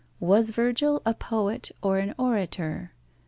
"Was Virgil a poet or an orator?"